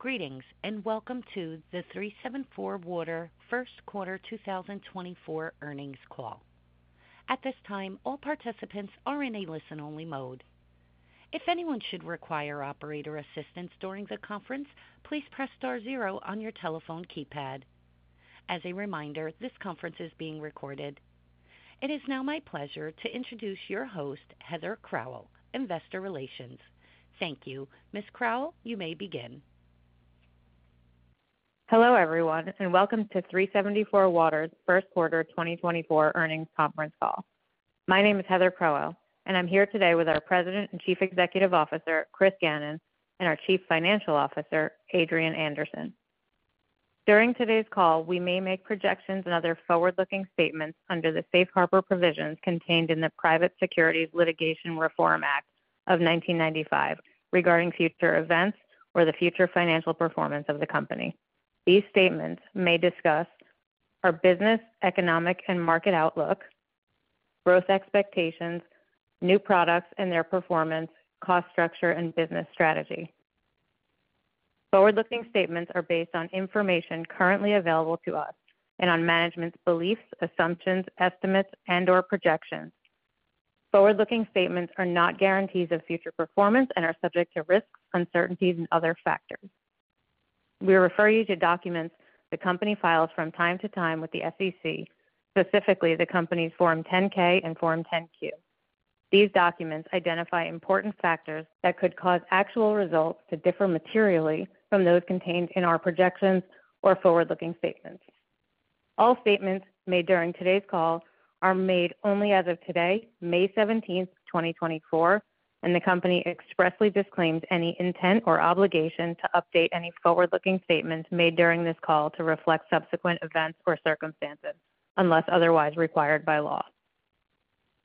Greetings, and welcome to the 374Water First Quarter 2024 earnings call. At this time, all participants are in a listen-only mode. If anyone should require operator assistance during the conference, please press star zero on your telephone keypad. As a reminder, this conference is being recorded. It is now my pleasure to introduce your host, Heather Crowell, Investor Relations. Thank you. Ms. Crowell, you may begin. Hello, everyone, and welcome to 374Water's first quarter 2024 earnings conference call. My name is Heather Crowell, and I'm here today with our President and Chief Executive Officer, Chris Gannon, and our Chief Financial Officer, Annie Glavan. During today's call, we may make projections and other forward-looking statements under the Safe Harbor Provisions contained in the Private Securities Litigation Reform Act of 1995 regarding future events or the future financial performance of the company. These statements may discuss our business, economic, and market outlook, growth expectations, new products and their performance, cost structure, and business strategy. Forward-looking statements are based on information currently available to us and on management's beliefs, assumptions, estimates, and/or projections. Forward-looking statements are not guarantees of future performance and are subject to risks, uncertainties, and other factors. We refer you to documents the company files from time to time with the SEC, specifically the company's Form 10-K and Form 10-Q. These documents identify important factors that could cause actual results to differ materially from those contained in our projections or forward-looking statements. All statements made during today's call are made only as of today, May 17, 2024, and the company expressly disclaims any intent or obligation to update any forward-looking statements made during this call to reflect subsequent events or circumstances, unless otherwise required by law.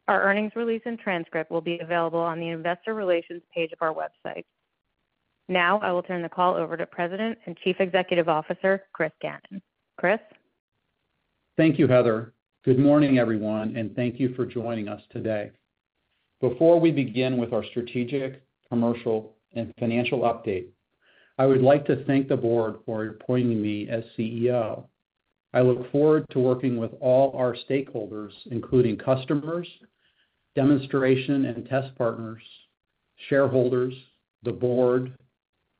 Our earnings release and transcript will be available on the investor relations page of our website. Now, I will turn the call over to President and Chief Executive Officer, Chris Gannon. Chris? Thank you, Heather. Good morning, everyone, and thank you for joining us today. Before we begin with our strategic, commercial, and financial update, I would like to thank the board for appointing me as CEO. I look forward to working with all our stakeholders, including customers, demonstration and test partners, shareholders, the board,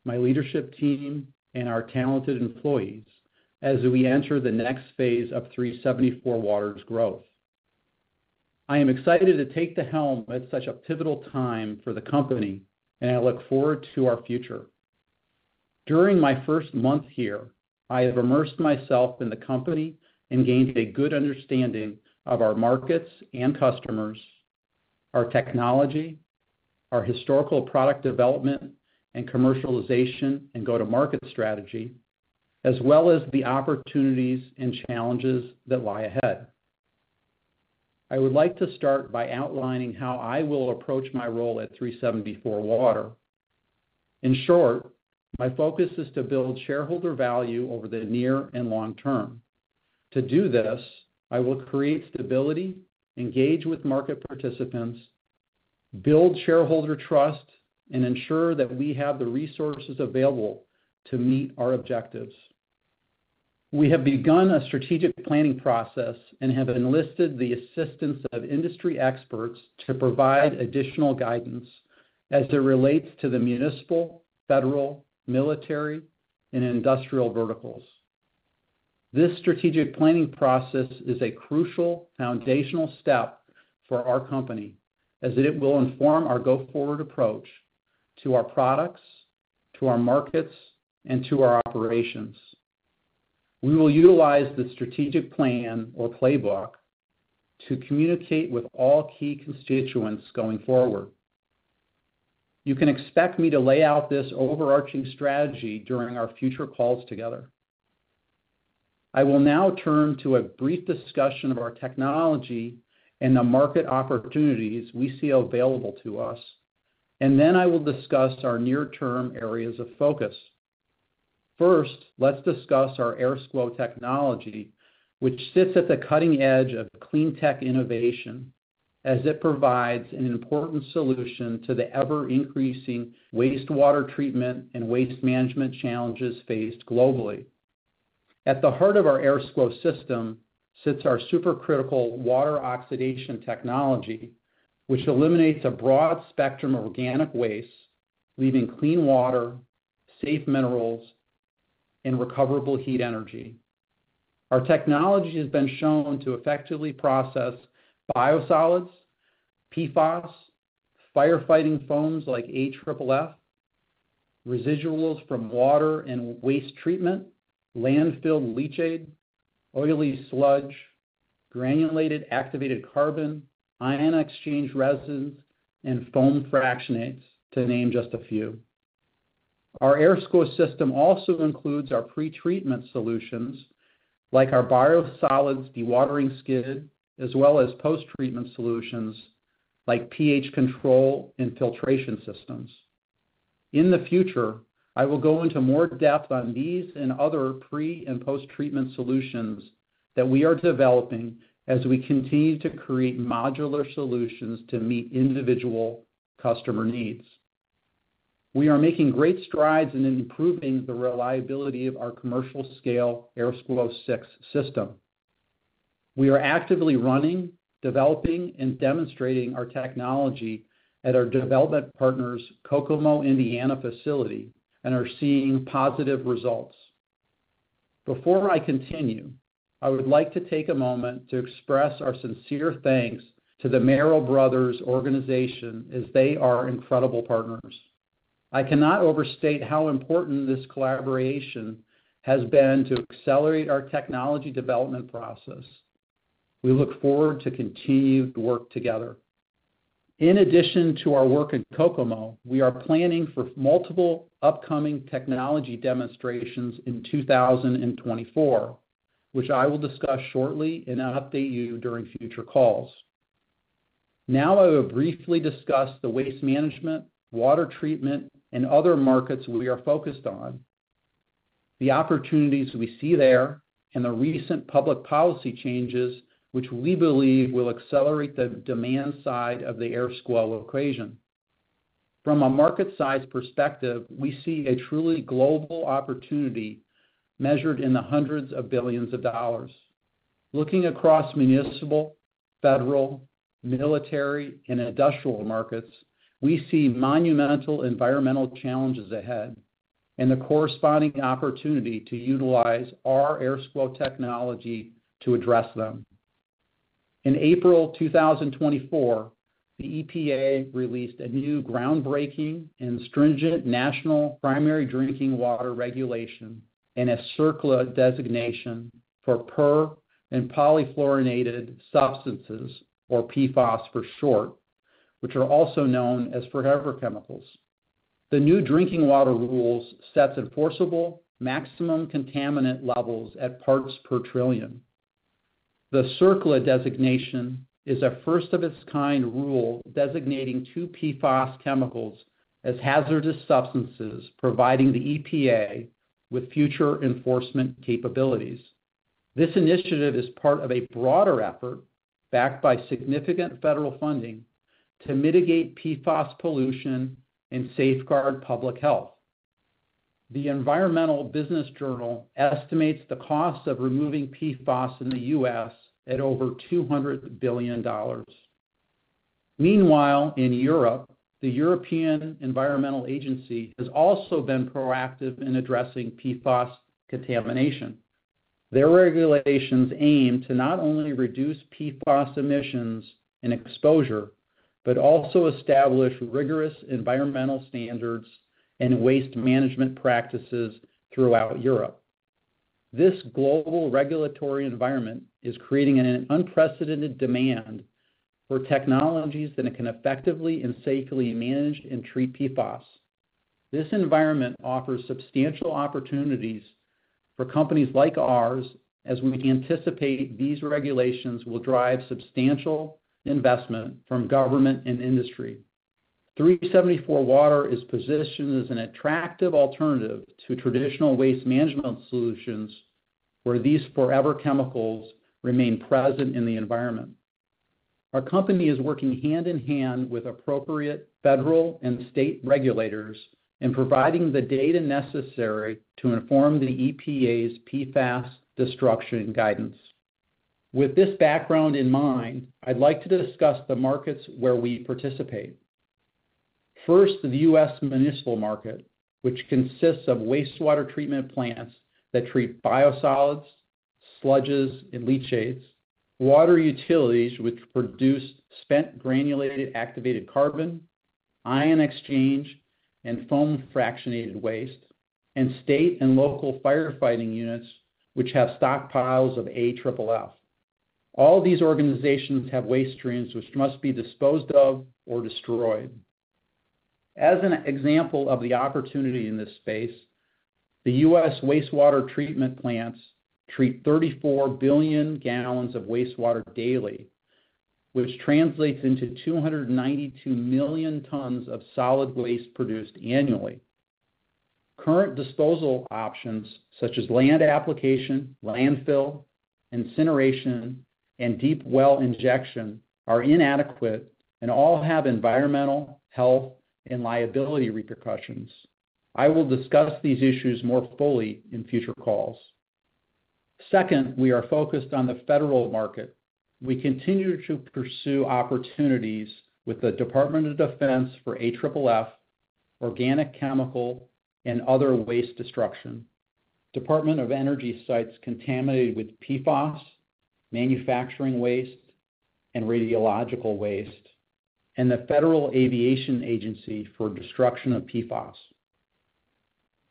my leadership team, and our talented employees as we enter the next phase of 374Water's growth. I am excited to take the helm at such a pivotal time for the company, and I look forward to our future. During my first month here, I have immersed myself in the company and gained a good understanding of our markets and customers, our technology, our historical product development and commercialization, and go-to-market strategy, as well as the opportunities and challenges that lie ahead. I would like to start by outlining how I will approach my role at 374Water. In short, my focus is to build shareholder value over the near and long term. To do this, I will create stability, engage with market participants, build shareholder trust, and ensure that we have the resources available to meet our objectives. We have begun a strategic planning process and have enlisted the assistance of industry experts to provide additional guidance as it relates to the municipal, federal, military, and industrial verticals. This strategic planning process is a crucial foundational step for our company, as it will inform our go-forward approach to our products, to our markets, and to our operations. We will utilize the strategic plan or playbook to communicate with all key constituents going forward. You can expect me to lay out this overarching strategy during our future calls together. I will now turn to a brief discussion of our technology and the market opportunities we see available to us, and then I will discuss our near-term areas of focus. First, let's discuss our AirSCWO technology, which sits at the cutting edge of clean tech innovation as it provides an important solution to the ever-increasing wastewater treatment and waste management challenges faced globally. At the heart of our AirSCWO system sits our supercritical water oxidation technology, which eliminates a broad spectrum of organic waste, leaving clean water, safe minerals, and recoverable heat energy. Our technology has been shown to effectively process biosolids, PFAS, firefighting foams like AFFF, residuals from water and waste treatment, landfill leachate, oily sludge, granular activated carbon, ion exchange resins, and foam fractionates, to name just a few. Our AirSCWO system also includes our pretreatment solutions, like our biosolids dewatering skid, as well as post-treatment solutions like pH control and filtration systems. In the future, I will go into more depth on these and other pre- and post-treatment solutions... that we are developing as we continue to create modular solutions to meet individual customer needs. We are making great strides in improving the reliability of our commercial scale AirSCWO 6 system. We are actively running, developing, and demonstrating our technology at our development partner's Kokomo, Indiana, facility and are seeing positive results. Before I continue, I would like to take a moment to express our sincere thanks to the Merrell Bros. organization, as they are incredible partners. I cannot overstate how important this collaboration has been to accelerate our technology development process. We look forward to continued work together. In addition to our work in Kokomo, we are planning for multiple upcoming technology demonstrations in 2024, which I will discuss shortly and I'll update you during future calls. Now, I will briefly discuss the waste management, water treatment, and other markets we are focused on, the opportunities we see there, and the recent public policy changes, which we believe will accelerate the demand side of the AirSCWO equation. From a market size perspective, we see a truly global opportunity measured in the $hundreds of billions. Looking across municipal, federal, military, and industrial markets, we see monumental environmental challenges ahead and the corresponding opportunity to utilize our AirSCWO technology to address them. In April 2024, the EPA released a new groundbreaking and stringent National Primary Drinking Water regulation and a CERCLA designation for per- and polyfluoroalkyl substances, or PFAS for short, which are also known as forever chemicals. The new drinking water rules sets enforceable maximum contaminant levels at parts per trillion. The CERCLA designation is a first-of-its-kind rule designating 2 PFAS chemicals as hazardous substances, providing the EPA with future enforcement capabilities. This initiative is part of a broader effort, backed by significant federal funding, to mitigate PFAS pollution and safeguard public health. The Environmental Business Journal estimates the cost of removing PFAS in the US at over $200 billion. Meanwhile, in Europe, the European Environment Agency has also been proactive in addressing PFAS contamination. Their regulations aim to not only reduce PFAS emissions and exposure, but also establish rigorous environmental standards and waste management practices throughout Europe. This global regulatory environment is creating an unprecedented demand for technologies that can effectively and safely manage and treat PFAS. This environment offers substantial opportunities for companies like ours, as we anticipate these regulations will drive substantial investment from government and industry. 374Water is positioned as an attractive alternative to traditional waste management solutions, where these forever chemicals remain present in the environment. Our company is working hand-in-hand with appropriate federal and state regulators in providing the data necessary to inform the EPA's PFAS destruction guidance. With this background in mind, I'd like to discuss the markets where we participate. First, the U.S. municipal market, which consists of wastewater treatment plants that treat biosolids, sludges, and leachates, water utilities which produce spent granular activated carbon, ion exchange, and foam fractionated waste, and state and local firefighting units, which have stockpiles of AFFF. All these organizations have waste streams which must be disposed of or destroyed. As an example of the opportunity in this space, the U.S. wastewater treatment plants treat 34 billion gallons of wastewater daily, which translates into 292 million tons of solid waste produced annually. Current disposal options, such as land application, landfill, incineration, and deep well injection, are inadequate and all have environmental, health, and liability repercussions. I will discuss these issues more fully in future calls. Second, we are focused on the federal market. We continue to pursue opportunities with the Department of Defense for AFFF, organic, chemical, and other waste destruction, Department of Energy sites contaminated with PFAS, manufacturing waste, and radiological waste, and the Federal Aviation Administration for destruction of PFAS.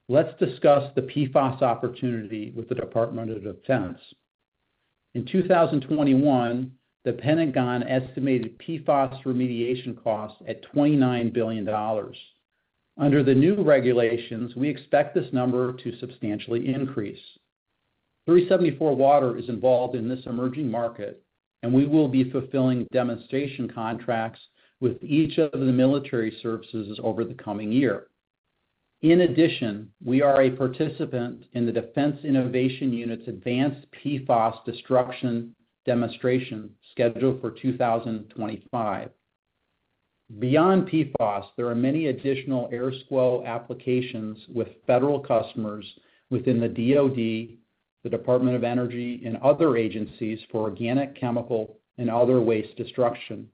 Let's discuss the PFAS opportunity with the Department of Defense. In 2021, the Pentagon estimated PFAS remediation costs at $29 billion. Under the new regulations, we expect this number to substantially increase. 374Water is involved in this emerging market, and we will be fulfilling demonstration contracts with each of the military services over the coming year. In addition, we are a participant in the Defense Innovation Unit's advanced PFAS destruction demonstration, scheduled for 2025. Beyond PFAS, there are many additional AirSCWO applications with federal customers within the DoD, the Department of Energy, and other agencies for organic, chemical, and other waste destruction.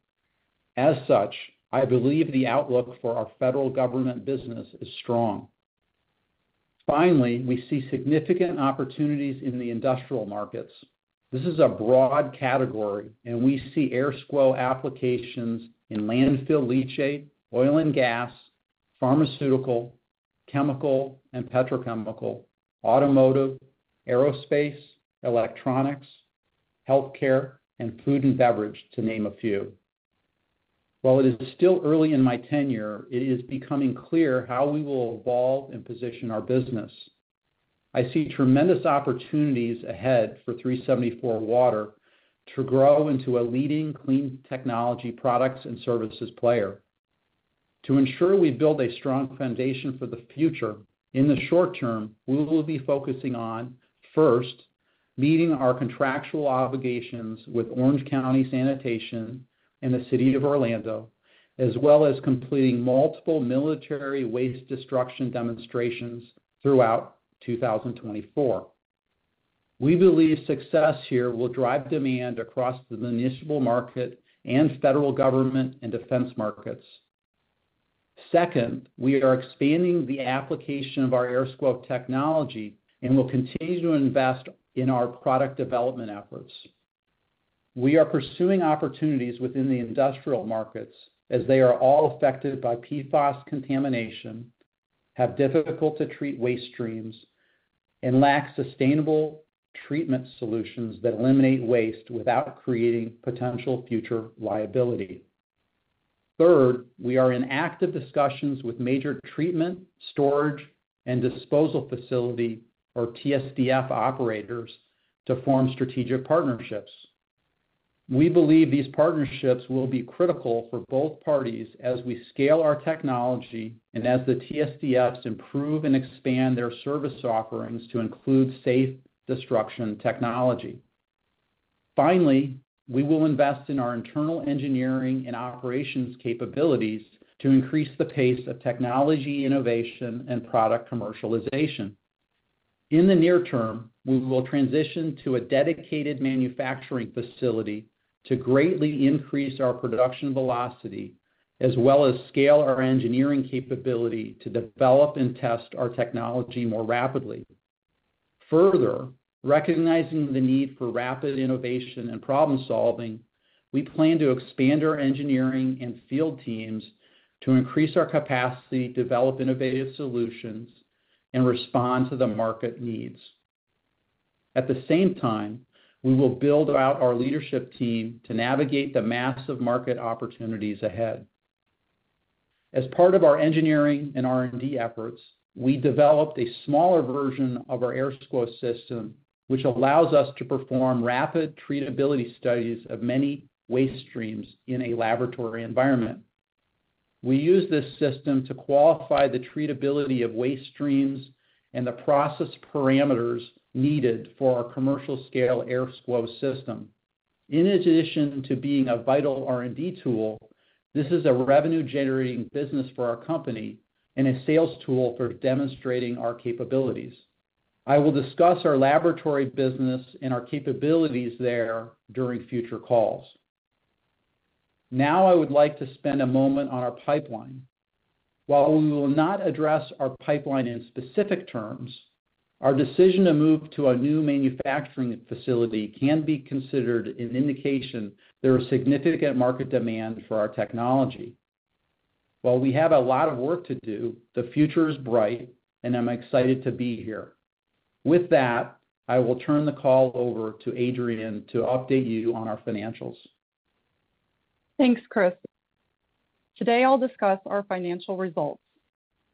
As such, I believe the outlook for our federal government business is strong. Finally, we see significant opportunities in the industrial markets. This is a broad category, and we see AirSCWO applications in landfill leachate, oil and gas, pharmaceutical, chemical and petrochemical, automotive, aerospace, electronics, healthcare, and food and beverage, to name a few. While it is still early in my tenure, it is becoming clear how we will evolve and position our business. I see tremendous opportunities ahead for 374Water to grow into a leading clean technology products and services player. To ensure we build a strong foundation for the future, in the short term, we will be focusing on, first, meeting our contractual obligations with Orange County Sanitation and the City of Orlando, as well as completing multiple military waste destruction demonstrations throughout 2024. We believe success here will drive demand across the municipal market and federal government and defense markets. Second, we are expanding the application of our AirSCWO technology and will continue to invest in our product development efforts. We are pursuing opportunities within the industrial markets as they are all affected by PFAS contamination, have difficult-to-treat waste streams, and lack sustainable treatment solutions that eliminate waste without creating potential future liability. Third, we are in active discussions with major treatment, storage, and disposal facility, or TSDF operators, to form strategic partnerships. We believe these partnerships will be critical for both parties as we scale our technology and as the TSDFs improve and expand their service offerings to include safe destruction technology. Finally, we will invest in our internal engineering and operations capabilities to increase the pace of technology innovation and product commercialization. In the near term, we will transition to a dedicated manufacturing facility to greatly increase our production velocity, as well as scale our engineering capability to develop and test our technology more rapidly. Further, recognizing the need for rapid innovation and problem-solving, we plan to expand our engineering and field teams to increase our capacity, develop innovative solutions, and respond to the market needs. At the same time, we will build out our leadership team to navigate the massive market opportunities ahead. As part of our engineering and R&D efforts, we developed a smaller version of our AirSCWO system, which allows us to perform rapid treatability studies of many waste streams in a laboratory environment. We use this system to qualify the treatability of waste streams and the process parameters needed for our commercial-scale AirSCWO system. In addition to being a vital R&D tool, this is a revenue-generating business for our company and a sales tool for demonstrating our capabilities. I will discuss our laboratory business and our capabilities there during future calls. Now, I would like to spend a moment on our pipeline. While we will not address our pipeline in specific terms, our decision to move to a new manufacturing facility can be considered an indication there is significant market demand for our technology. While we have a lot of work to do, the future is bright, and I'm excited to be here. With that, I will turn the call over to Annie Glavan to update you on our financials. Thanks, Chris. Today, I'll discuss our financial results,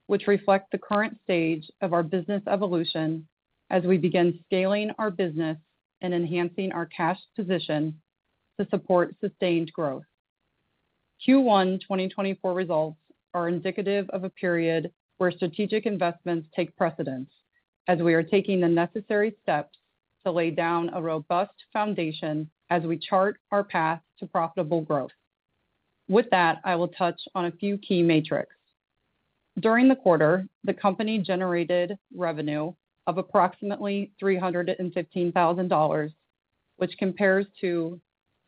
which reflect the current stage of our business evolution as we begin scaling our business and enhancing our cash position to support sustained growth. Q1 2024 results are indicative of a period where strategic investments take precedence, as we are taking the necessary steps to lay down a robust foundation as we chart our path to profitable growth. With that, I will touch on a few key metrics. During the quarter, the company generated revenue of approximately $315,000, which compares to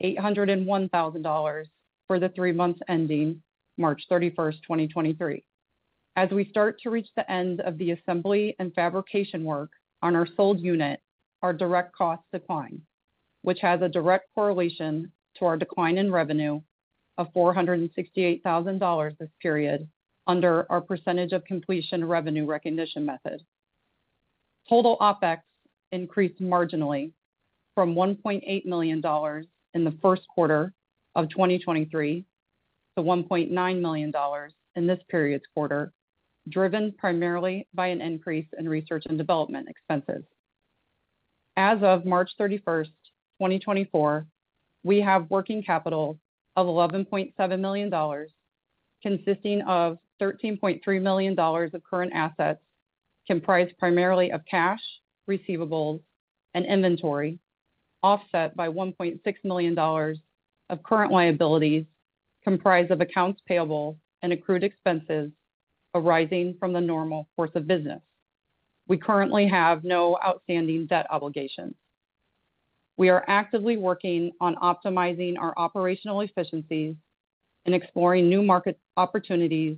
$801,000 for the three months ending March 31, 2023. As we start to reach the end of the assembly and fabrication work on our sold unit, our direct costs decline, which has a direct correlation to our decline in revenue of $468,000 this period under our percentage of completion revenue recognition method. Total OpEx increased marginally from $1.8 million in the first quarter of 2023 to $1.9 million in this period's quarter, driven primarily by an increase in research and development expenses. As of March 31, 2024, we have working capital of $11.7 million, consisting of $13.3 million of current assets, comprised primarily of cash, receivables, and inventory, offset by $1.6 million of current liabilities, comprised of accounts payable and accrued expenses arising from the normal course of business. We currently have no outstanding debt obligations. We are actively working on optimizing our operational efficiencies and exploring new market opportunities,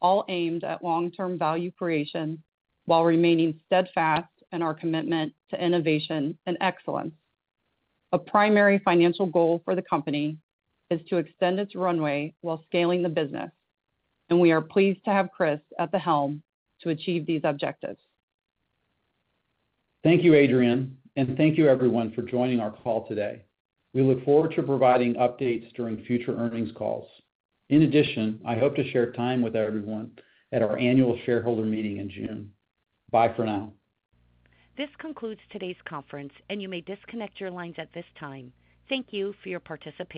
all aimed at long-term value creation, while remaining steadfast in our commitment to innovation and excellence. A primary financial goal for the company is to extend its runway while scaling the business, and we are pleased to have Chris at the helm to achieve these objectives. Thank you, Annie, and thank you everyone for joining our call today. We look forward to providing updates during future earnings calls. In addition, I hope to share time with everyone at our annual shareholder meeting in June. Bye for now. This concludes today's conference, and you may disconnect your lines at this time. Thank you for your participation.